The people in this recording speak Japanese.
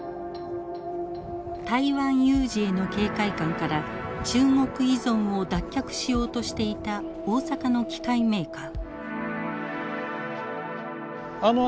台湾有事への警戒感から中国依存を脱却しようとしていた大阪の機械メーカー。